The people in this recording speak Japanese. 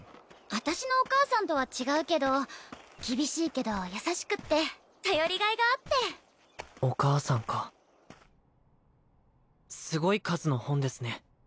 私のお母さんとは違うけど厳しいけど優しくって頼りがいがあってお母さんかすごい数の本ですね